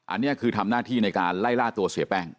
อันนี้คือทำหน้าที่ในการไล่ล่าตัวเสียแป้ง